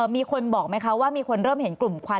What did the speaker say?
มีคนบอกไหมคะว่ามีคนเริ่มเห็นกลุ่มควัน